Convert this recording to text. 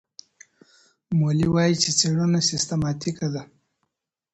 مولي وايي چي څېړنه سیستماتیکه ده.